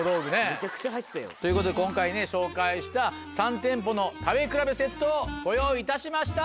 めちゃくちゃ入ってたよ。ということで今回ね紹介した３店舗の食べ比べセットをご用意いたしました。